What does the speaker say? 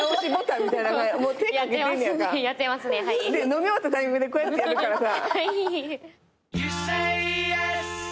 飲み終わったタイミングでこうやってやるからさ。